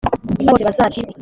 maze bose bazacirwe